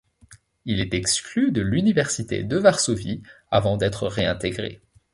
Il est exclu de l'université de Varsovie, avant d'être réintégré.